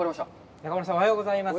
中丸さん、おはようございます。